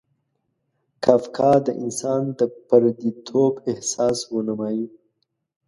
کافکا د انسان د پردیتوب احساس ونمایي.